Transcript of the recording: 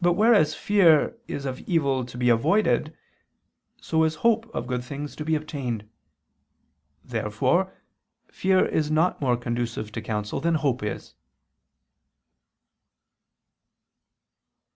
But whereas fear is of evil to be avoided, so is hope of good things to be obtained. Therefore fear is not more conducive to counsel, than hope is.